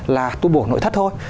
là tu bổ nội thất thôi